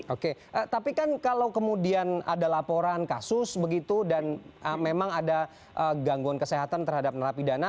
oke tapi kan kalau kemudian ada laporan kasus begitu dan memang ada gangguan kesehatan terhadap narapidana